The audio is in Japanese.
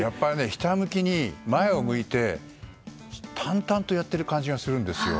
ひたむきに前を向いて淡々とやっている感じがするんですよ。